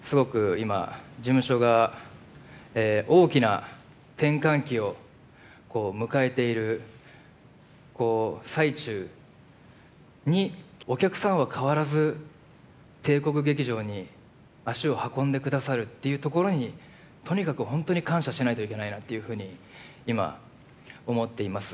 今、事務所が大きな転換期を迎えている最中にお客さんは変わらず帝国劇場に足を運んでくださるっていうところに、とにかく本当に感謝しないといけないなというふうに今、思っています。